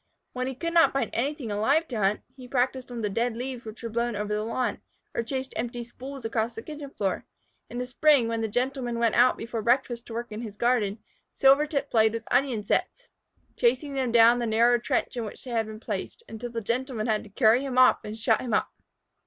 When he could not find anything alive to hunt, he practiced on the dead leaves which were blown over the lawn, or chased empty spools across the kitchen floor. In the spring, when the Gentleman went out before breakfast to work in his garden, Silvertip played with the onion sets, chasing them down the narrow trench in which they had been placed, until the Gentleman had to carry him off and shut him up.